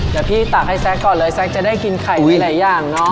เดี๋ยวพี่ตักให้แซ็กก่อนเลยแซ็กจะได้กินไข่มีหลายอย่างเนอะ